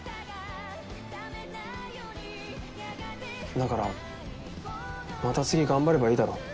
だからまた次頑張ればいいだろ。